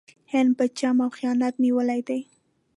هند په چم او خیانت نیولی دی.